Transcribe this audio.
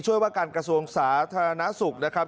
ช่วยว่าการกระทรวงศาสตร์ธนาศุกร์นะครับ